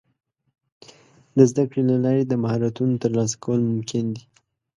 د زده کړې له لارې د مهارتونو ترلاسه کول ممکن دي.